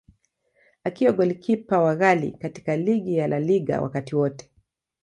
Akiwa golikipa wa ghali katika ligi ya La Liga wakati wote.